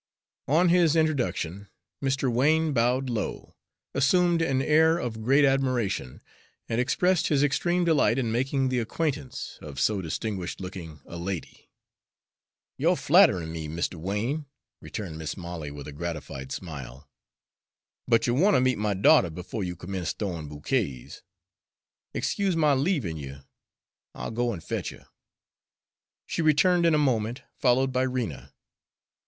On his introduction Mr. Wain bowed low, assumed an air of great admiration, and expressed his extreme delight in making the acquaintance of so distinguished looking a lady. "You're flatt'rin' me, Mr. Wain," returned Mis' Molly, with a gratified smile. "But you want to meet my daughter befo' you commence th'owin' bokays. Excuse my leavin' you I'll go an' fetch her." She returned in a moment, followed by Rena.